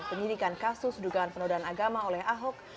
penyidikan kasus dugaan penodaan agama oleh ahok